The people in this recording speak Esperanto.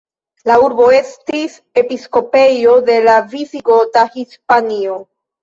La urbo estis episkopejo de la Visigota Hispanio.